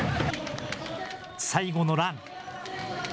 最後のラン。